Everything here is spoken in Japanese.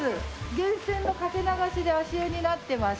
源泉のかけ流しで足湯になってまして。